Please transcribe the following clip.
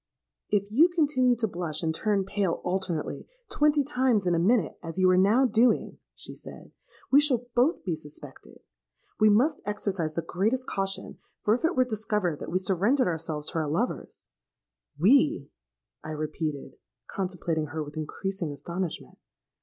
'If you continue to blush and turn pale alternately, twenty times in a minute, as you are now doing,' she said, 'we shall both be suspected. We must exercise the greatest caution; for if it were discovered that we surrendered ourselves to our lovers——.'—'We!' I repeated, contemplating her with increasing astonishment.